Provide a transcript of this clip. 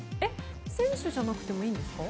選手じゃなくてもいいんですか？